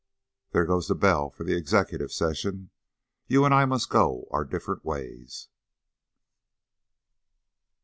There goes the bell for Executive Session. You and I must go our different ways."